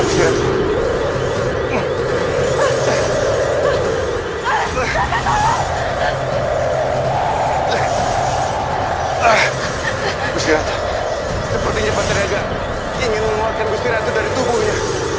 gusti ratu sepertinya pateriaja ingin mengeluarkan gusti ratu dari tubuhnya